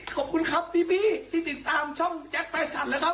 ขอบคุณครับพี่ที่ติดตามช่องแจ็คแฟชั่นนะครับ